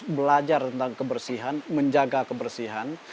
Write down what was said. mereka harus belajar tentang kebersihan menjaga kebersihan